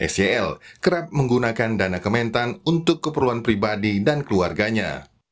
sel kerap menggunakan dana kementan untuk keperluan pribadi dan keluarganya